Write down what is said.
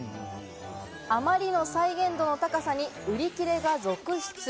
あまりの再現度の高さに売り切れが続出。